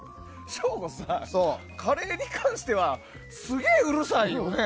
省吾さ、カレーに関してはすげえうるさいよね。